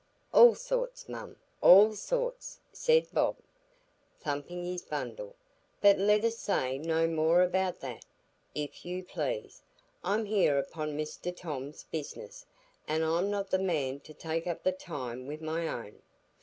"All sorts, mum, all sorts," said Bob,—thumping his bundle; "but let us say no more about that, if you please. I'm here upo' Mr Tom's business, an' I'm not the man to take up the time wi' my own."